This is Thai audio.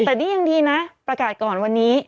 แต่นี่ยังดีนะประกาศก่อนวันนี้